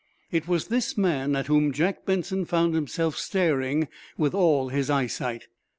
It was this man at whom Jack Benson found himself staring with all his eyesight.